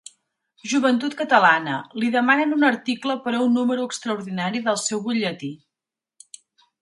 Joventut Catalana, li demanen un article per a un número extraordinari del seu butlletí.